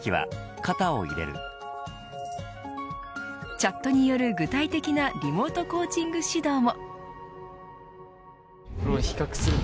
チャットによる具体的なリモートコーチング指導も。